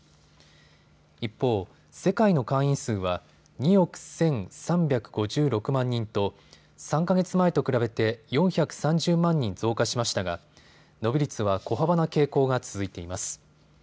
一方、世界の会員数は２億１３５６万人と３か月前と比べて４３０万人増加しましたが伸び率は小幅な傾向が続いています。